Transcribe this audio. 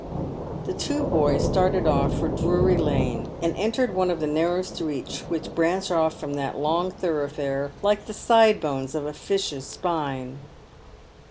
The two boys started off for Drury lane, and entered one of the narrow streets which branch off from that long thoroughfare like the side bones of a fish's spine.